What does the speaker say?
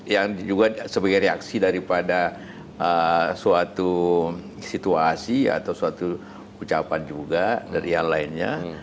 yang juga sebagai reaksi daripada suatu situasi atau suatu ucapan juga dari hal lainnya